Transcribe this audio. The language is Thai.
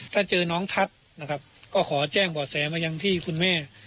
ถ้าเจอน้องทัศน์นะครับก็ขอแจ้งบ่อแสมายังที่คุณแม่